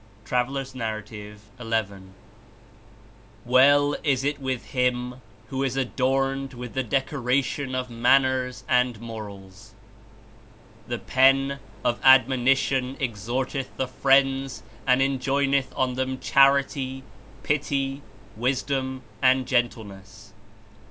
(T. N. xi) "Well is it with him who is adorned with the decor ation of manners and morals." "The Pen of admonition exhorteth the friends and enjoineth on them charity, pity, wisdom and gentle 94 ness.